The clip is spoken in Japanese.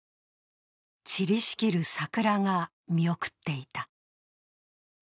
散りしきる桜が見送っていた。